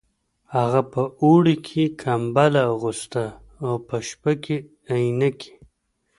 هغه په اوړي کې کمبله اغوسته او په شپه کې عینکې